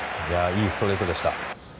いいストレートでした。